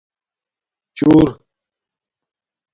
چٔر